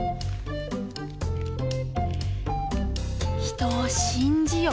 人を信じよ。